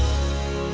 nah udah cepet